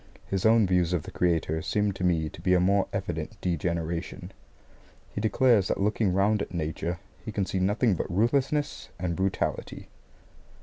His own views of the Creator seem to me to be a more evident degeneration. He declares that looking round at Nature he can see nothing but ruthlessness and brutality.